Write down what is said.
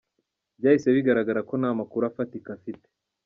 Byahise bigaragara ko nta makuru afatika afite.